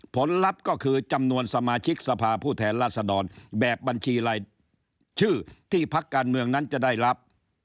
ลัพธ์ก็คือจำนวนสมาชิกสภาผู้แทนราษฎรแบบบัญชีรายชื่อที่พักการเมืองนั้นจะได้รับ